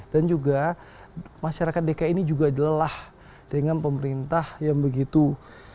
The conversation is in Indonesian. dan juga masyarakat dki ini juga lelah dengan pemerintah yang tidak bisa berpengaruh